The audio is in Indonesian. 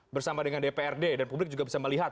bersama dengan dprd dan publik juga bisa melihat